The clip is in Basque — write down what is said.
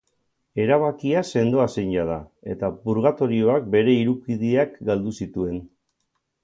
Erabakia sendoa zen jada eta purgatorioak bere hiru kideak galdu zituen.